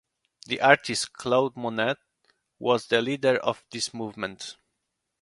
The artist Claude Monet was the leader of this movement.